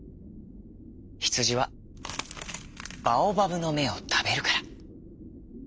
ヒツジはバオバブのめをたべるから。